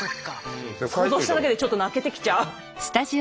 想像しただけでちょっと泣けてきちゃう。